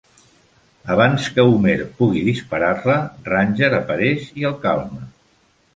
Abans que Homer pugui disparar-la, Ranger apareix i el calma.